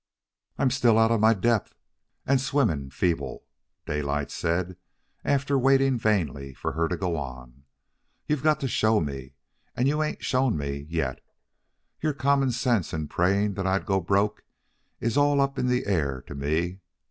"I'm still out of my depth and swimming feeble," Daylight said, after waiting vainly for her to go on. "You've got to show me, and you ain't shown me yet. Your common sense and praying that I'd go broke is all up in the air to me.